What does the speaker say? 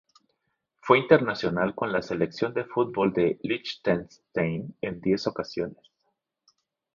Fue internacional con la Selección de fútbol de Liechtenstein en diez ocasiones.